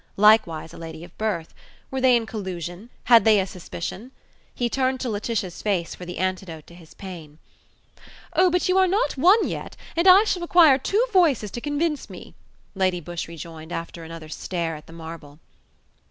likewise a lady of birth. Were they in collusion? had they a suspicion? He turned to Laetitia's face for the antidote to his pain. "Oh, but you are not one yet, and I shall require two voices to convince me," Lady Busshe rejoined, after another stare at the marble.